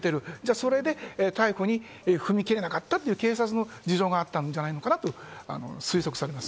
それで逮捕に踏み切れなかったという警察の事情があったんじゃないかなと推測されます。